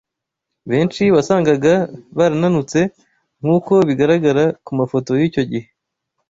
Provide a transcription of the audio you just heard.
Benshi wasangaga barananutse nk’uko bigaragara ku mafoto y’icyo gihe